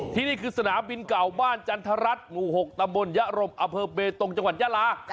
ที่นี่คือสนามบินเก่าบ้านจันทรัศน์หมู่๖ตำบลยะรมอเภอเบตงจังหวัดยาลา